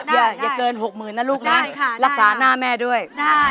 จ้าอย่าเกิน๖หมื่นกรักนะลูกล่ะรักษาหน้าแม่ด้วย